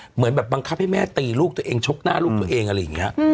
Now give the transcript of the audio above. เหมือนแบบบังคับให้แม่ตีลูกตัวเองชกหน้าลูกตัวเองอะไรอย่างนี้